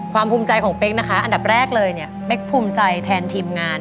ภูมิใจของเป๊กนะคะอันดับแรกเลยเนี่ยเป๊กภูมิใจแทนทีมงาน